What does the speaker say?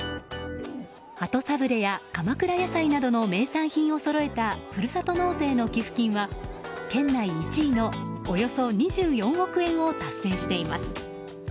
鳩サブレーや鎌倉野菜などの名産品をそろえたふるさと納税の寄付金は県内１位のおよそ２４億円を達成しています。